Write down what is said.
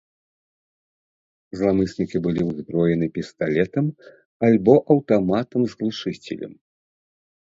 Зламыснікі былі ўзброены пісталетам альбо аўтаматам з глушыцелем.